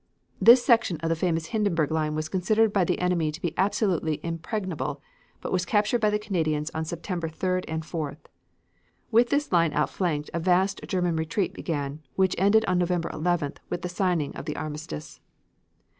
This section of the famous Hindenburg line was considered by the enemy to be absolutely impregnable, but was captured by the Canadians on September 3d and 4th. With this line outflanked a vast German retreat began, which ended on November 11th with the signing of the armistice.